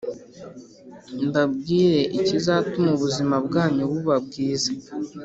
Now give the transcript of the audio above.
mbabwire ikizatuma ubuzima bwanyu buba bwiza